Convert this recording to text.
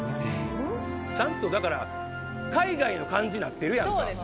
ちゃんとだから海外の感じになってるやんか。